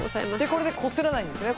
これでこすらないんですね